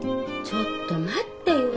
ちょっと待ってよ！